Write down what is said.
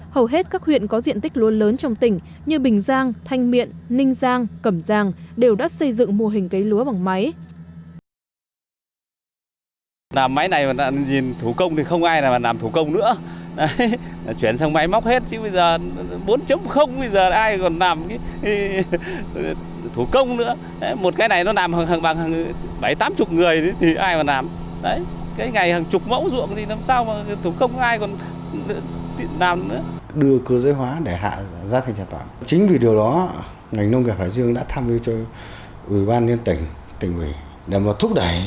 hầu hết các huyện có diện tích lúa lớn trong tỉnh như bình giang thanh miện ninh giang cẩm giang đều đã xây dựng mô hình cấy lúa bằng máy